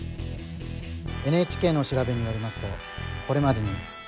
ＮＨＫの調べによりますとこれまでに死者は１９人。